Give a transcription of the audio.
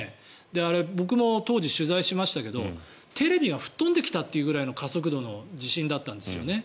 あれ、僕も当時、取材しましたけどテレビが吹っ飛んできたというぐらいの加速度の地震だったわけですよね。